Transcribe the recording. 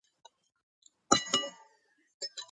ეს ტერმინები გამოიყენება პოლიტიკურ სიტუაციებში.